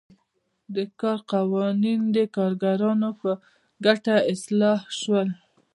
د کار قوانین د کارګرانو په ګټه اصلاح شول.